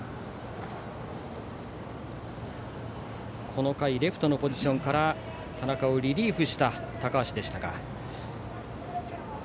この回、レフトのポジションから田中をリリーフした高橋でしたが。